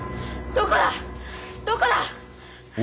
どこだ！